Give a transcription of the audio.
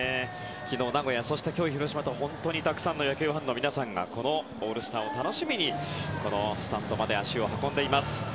昨日、名古屋、そして今日広島とたくさんの野球ファンの皆さんがこのオールスターを楽しみにスタンドまで足を運んでいます。